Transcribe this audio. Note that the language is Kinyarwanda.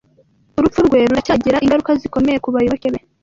urupfu rwe ruracyagira ingaruka zikomeye ku bayoboke be